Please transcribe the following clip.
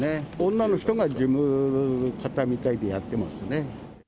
女の人が事務方みたいでやってますね。